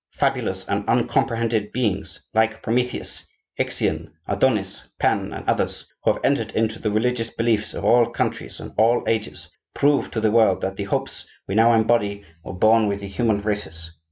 Fabulous and uncomprehended beings, like Prometheus, Ixion, Adonis, Pan, and others, who have entered into the religious beliefs of all countries and all ages, prove to the world that the hopes we now embody were born with the human races.